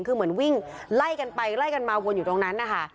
คือเหมือนวิ่งไล่กันไปไล่กันมาวนอยู่ตรงนั้นนะคะ